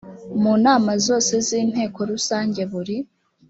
mu nama zose z inteko rusange buri